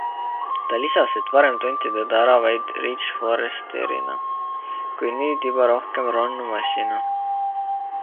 Ta lisas, et varem tunti teda ära vaid Ridge Forresterina, kuid nüüd juba rohkem Ronn Mossina.